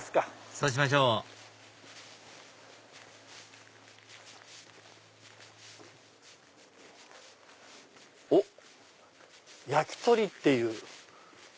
そうしましょうおっ「やきとり」っていう。